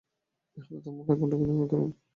ইহাদের ধর্ম হয় ভণ্ডামি, না হয় গোঁড়ামি।